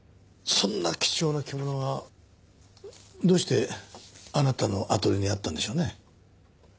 そんな貴重な着物がどうしてあなたのアトリエにあったんでしょうね？